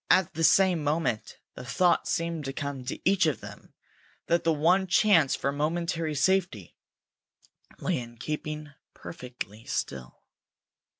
At the same moment the thought seemed to come to each of them that the one chance for momentary safety lay in keeping perfectly still.